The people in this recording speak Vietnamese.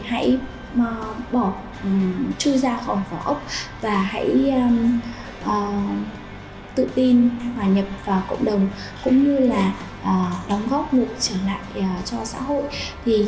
hãy trôi ra khỏi vỏ ốc và hãy tự tin hòa nhập vào cộng đồng cũng như là đóng góp một trở lại cho xã hội